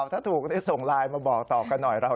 ถ้าถูกส่งไลน์มาบอกต่อกันหน่อย